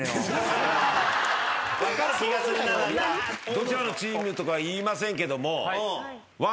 どちらのチームとか言いませんけども。